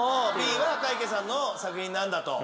Ｂは赤池さんの作品なんだと。